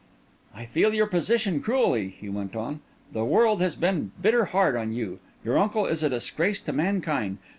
"I feel your position cruelly," he went on. "The world has been bitter hard on you. Your uncle is a disgrace to mankind.